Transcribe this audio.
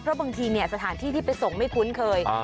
เพราะบางทีเนี่ยสถานที่ที่ไปส่งไม่คุ้นเคย